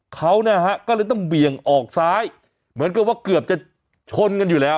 เขานะฮะก็เลยต้องเบี่ยงออกซ้ายเหมือนกับว่าเกือบจะชนกันอยู่แล้ว